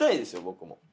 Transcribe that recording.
僕も。